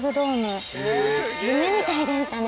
夢みたいでしたね